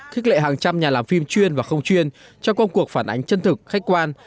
khích lệ hàng trăm nhà làm phim chuyên và không chuyên cho công cuộc phản ánh chân thực khách quan